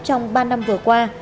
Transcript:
trong ba năm vừa qua